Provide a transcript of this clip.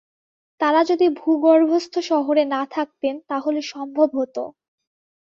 তাঁরা যদি ভূগর্ভস্থ শহরে না থাকতেন তাহলে সম্ভব হত।